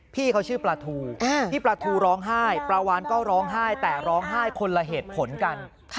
พี่เขาชื่อปลาทูพี่ปลาทูร้องไห้ปลาวานก็ร้องไห้แต่ร้องไห้คนละเหตุผลกัน